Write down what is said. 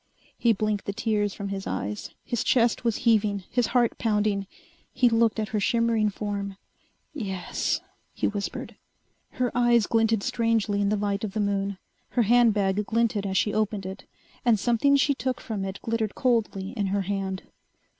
He blinked the tears from his eyes. His chest was heaving, his heart pounding. He looked at her shimmering form. "Y yes," he whispered. Her eyes glinted strangely in the light of the moon. Her handbag glinted as she opened it, and something she took from it glittered coldly in her hand.